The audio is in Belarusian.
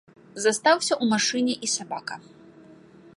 Застаўся ў машыне і сабака.